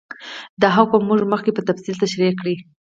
دا حکم موږ مخکې په تفصیل تشرېح کړ.